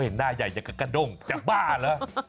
เฮ้ยหน้าใหญ่อยากกระกะดงจะบ้าเหรอ